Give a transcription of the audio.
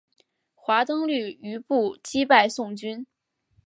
华登率余部击败宋军。